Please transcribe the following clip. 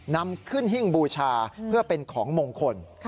นำขึ้นหิ้งบูชาเพื่อเป็นของมงคล